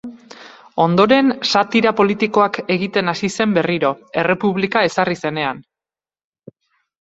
Ondoren satira politikoak egiten hasi zen berriro, errepublika ezarri zenean.